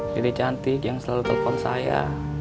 dede cantik yang selalu telepon saya